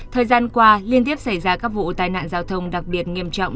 thời gian qua liên tiếp xảy ra các vụ tai nạn giao thông đặc biệt nghiêm trọng